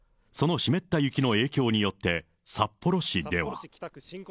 その湿った雪の影響によって、札幌市では。